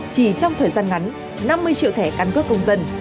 chỉ trong thời gian ngắn năm mươi triệu thẻ căn cước công dân